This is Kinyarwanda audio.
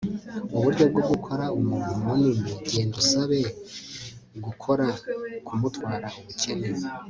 uburyo bwo gukora umuntu munini e genda usabe gukora e kumutwara ubukene